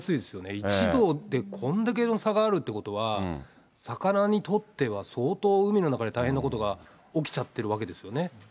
１度でこんだけの差があるということは、魚にとっては相当海の中で大変なことが起きちゃってるわけですよ